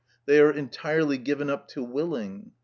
They are entirely given up to willing.